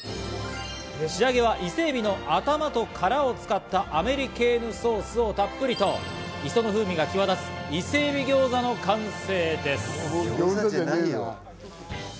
仕上げは伊勢海老の頭と殻を使ったアメリケーヌソースをたっぷりと磯の風味が際立つ伊勢海老ギョーザの完成です。